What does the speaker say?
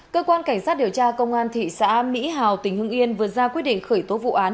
cơ quan cảnh sát điều tra công an thị xã mỹ hào tỉnh hưng yên vừa ra quyết định khởi tố vụ án